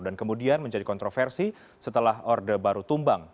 dan kemudian menjadi kontroversi setelah orde baru tumbang